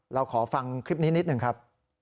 เราขอฟังคลิปนี้นิดหนึ่งครับ